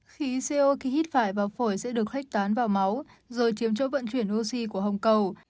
khí co khi hít phải vào phổi sẽ được khách tán vào máu rồi chiếm chỗ vận chuyển oxy của hồng cầu